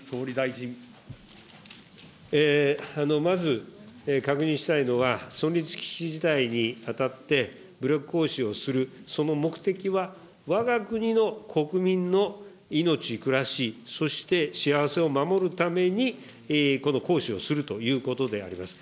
まず確認したいのは、存立危機事態にあたって、武力行使をする、その目的は、わが国の国民の命、暮らし、そして幸せを守るために、この行使をするということであります。